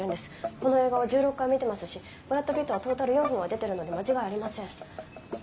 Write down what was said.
この映画は１６回見てますしブラッド・ピットはトータル４分は出てるので間違いありません。